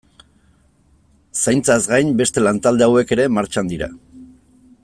Zaintzaz gain, beste lantalde hauek ere martxan dira.